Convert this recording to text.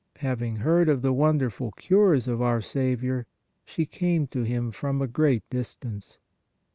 Having heard of the wonderful cures of our Saviour, she came to Him from a great distance.